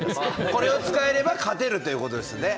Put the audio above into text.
これを使えれば勝てるということですね。